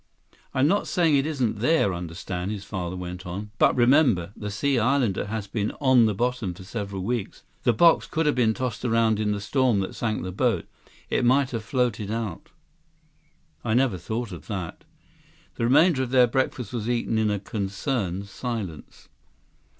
"I'm not saying it isn't there, understand," his father went on. "But remember, the Sea Islander has been on the bottom for several weeks. The box could have been tossed around in the storm that sank the boat. It might have floated out." "I never thought of that." The remainder of their breakfast was eaten in a concerned silence.